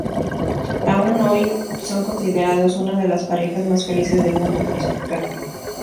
Aún hoy son considerados una de las parejas más felices del mundo del espectáculo.